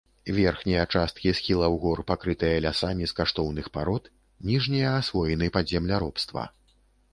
Верхнія часткі схілаў гор пакрытыя лясамі з каштоўных парод, ніжнія асвоены пад земляробства.